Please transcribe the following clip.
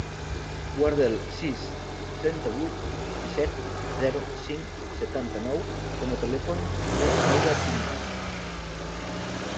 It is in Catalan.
Guarda el sis, trenta-vuit, disset, zero, cinc, setanta-nou com a telèfon de l'Alba Piñas.